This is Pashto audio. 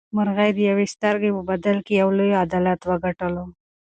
مرغۍ د یوې سترګې په بدل کې یو لوی عدالت وګټلو.